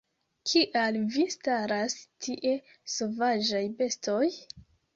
Kial vi staras tie, sovaĝaj bestoj?